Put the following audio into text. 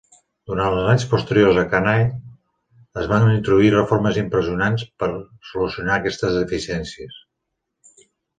Durant els anys posteriors a Cannae, es van introduir reformes impressionants per solucionar aquestes deficiències.